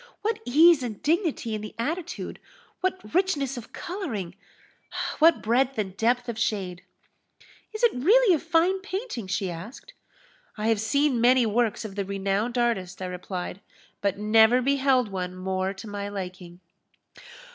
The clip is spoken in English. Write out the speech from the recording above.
What ease and dignity in the attitude! what richness of colouring what breadth and depth of shade!" "Is it really a fine painting?" she asked. "I have seen many works of the renowned artist," I replied, "but never beheld one more to my liking!"